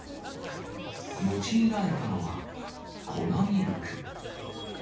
用いられたのは、粉ミルク。